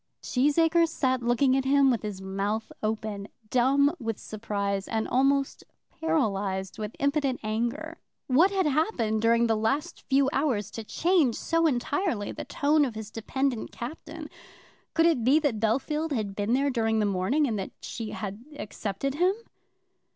Cheesacre sat looking at him with his mouth open, dumb with surprise, and almost paralysed with impotent anger. What had happened during the last few hours to change so entirely the tone of his dependent captain? Could it be that Bellfield had been there during the morning, and that she had accepted him?